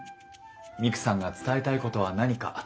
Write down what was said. ミクさんが伝えたいことは何か？